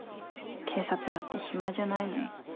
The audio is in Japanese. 警察だって暇じゃないのに。